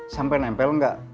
sampai nempel nggak